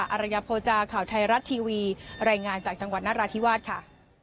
อรยโภจาข่าวไทยรัฐทีวีรายงานจากจังหวัดนราธิวาสค่ะ